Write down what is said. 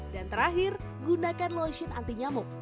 dan terakhir gunakan lotion anti nyamuk